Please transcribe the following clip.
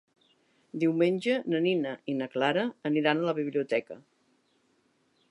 Diumenge na Nina i na Clara aniran a la biblioteca.